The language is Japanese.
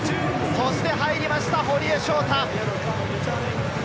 そして入りました、堀江翔太。